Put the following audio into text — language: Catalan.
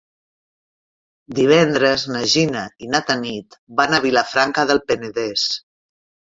Divendres na Gina i na Tanit van a Vilafranca del Penedès.